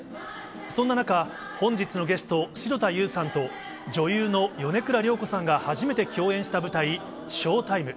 そんな中、本日のゲスト、城田優さんと、女優の米倉涼子さんが初めて共演した舞台、ＳＨＯＷＴＩＭＥ。